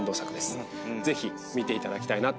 ぜひ見ていただきたいなと思います。